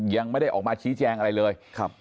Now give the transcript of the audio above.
ยังไม่ได้ออกมาชี้แจงอะไรเลย